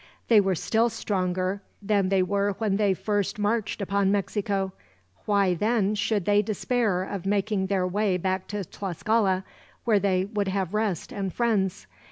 They were still stronger than they were when they first marched upon Mexico. Why, then, should they despair of making their way back to Tlascala, where they would have rest and friends?